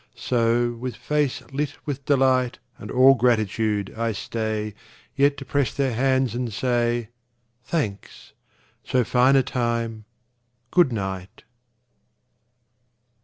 So, with face lit with delight And all gratitude, I stay Yet to press their hands and say, "Thanks. So fine a time ! Good night.